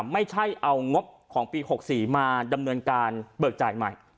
ไม่ใช่เอางบของปี๖๔มาดำเนินการเบิกจ่ายใหม่